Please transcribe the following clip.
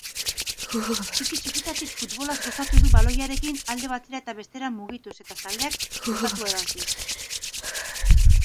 Txiki-txikitatik futbolaz gozatu du baloiarekin alde batera eta bestera mugituz eta zaleak gozatuaraziz.